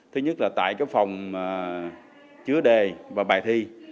thứ nhất là tại phòng chứa đề và bài thi